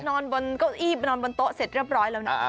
นอนบนเก้าอี้ไปนอนบนโต๊ะเสร็จเรียบร้อยแล้วนะ